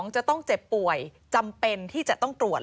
จะต้องเจ็บป่วยจำเป็นที่จะต้องตรวจ